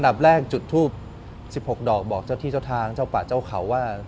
แรกจุดทูบ๑๖ดอกบอกเจ้าที่เจ้าทางเจ้าป่าเจ้าเขาว่า